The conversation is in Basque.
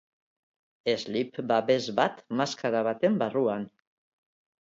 Slip-babes bat maskara baten barruan.